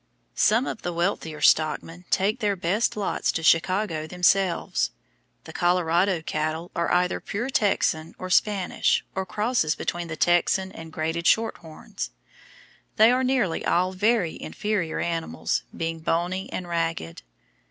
Some of the wealthier stockmen take their best lots to Chicago themselves. The Colorado cattle are either pure Texan or Spanish, or crosses between the Texan and graded shorthorns. They are nearly all very inferior animals, being bony and ragged.